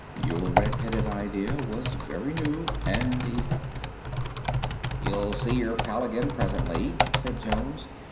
"Your red headed idea was very new and effective." "You'll see your pal again presently," said Jones.